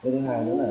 thứ hai nữa là